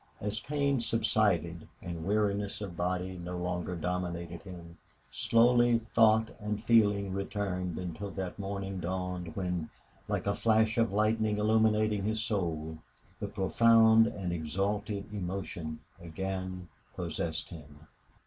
As pain subsided, and weariness of body no longer dominated him, slowly thought and feeling returned until that morning dawned when, like a flash of lightning illuminating his soul, the profound and exalted emotion again possessed him.